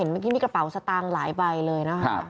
เมื่อกี้มีกระเป๋าสตางค์หลายใบเลยนะคะ